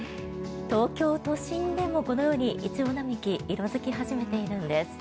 東京都心でもこのようにイチョウ並木が色付き始めているんです。